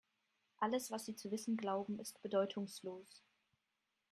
Alles, was Sie zu wissen glauben, ist bedeutungslos.